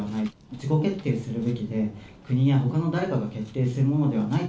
自己決定するべきで、国やほかの誰かが決定するものではない。